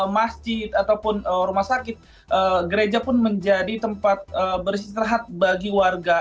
masjid ataupun rumah sakit gereja pun menjadi tempat beristirahat bagi warga